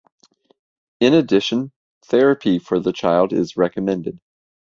In addition, therapy for the child is recommended.